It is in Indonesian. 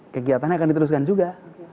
kegiatannya akan diteruskan juga